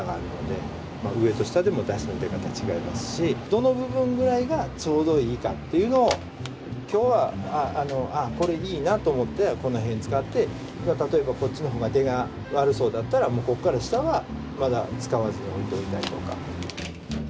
どの部分ぐらいがちょうどいいかっていうのを今日はこれいいなと思ってこの辺使って例えばこっちの方が出が悪そうだったらここから下はまだ使わずに置いといたりとか。